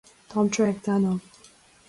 Táim traochta inniu.